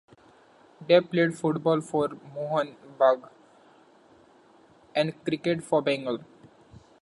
Deb played football for Mohun Bagan, and cricket for Bengal.